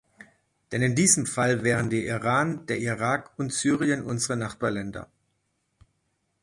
Denn in diesem Fall wären der Iran, der Irak und Syrien unsere Nachbarländer.